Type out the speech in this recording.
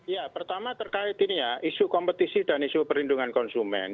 ya pertama terkait ini ya isu kompetisi dan isu perlindungan konsumen